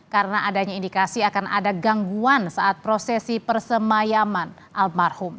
karena adanya indikasi akan ada gangguan saat prosesi persemayaman almarhum